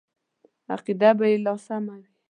عقیده به یې لا سمه وي.